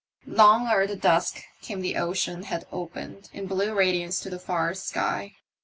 Long ere the dusk came the ocean had opened in blue radiance to the far sky.